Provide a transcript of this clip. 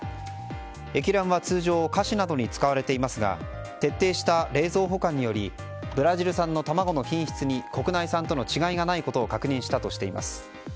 液卵は通常、菓子などに使われていますが徹底した冷蔵保管によりブラジル産の卵の品質に国内産との違いがないことを確認したとしています。